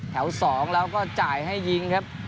๒แล้วก็จ่ายให้ยิงครับ